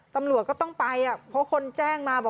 ตำรวจก็ต้องไปเพราะคนแจ้งมาบอก